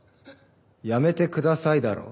「やめてください」だろ。